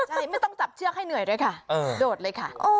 ใช่ไม่ต้องจับเชือกให้เหนื่อยด้วยค่ะโดดเลยค่ะ